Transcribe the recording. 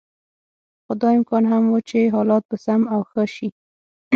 خو دا امکان هم و چې حالات به سم او ښه شي.